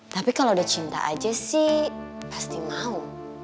tapi kalau udah cinta aja sih pasti mau